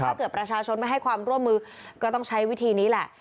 ถ้าเกิดประชาชนไม่ให้ความร่วมมือก็ต้องใช้วิธีนี้แหละ